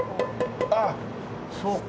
あっそうか。